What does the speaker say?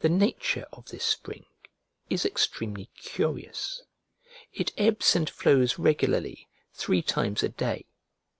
The nature of this spring is extremely curious; it ebbs and flows regularly three times a day.